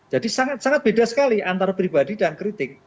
jadi sangat sangat beda sekali antara pribadi dan kritik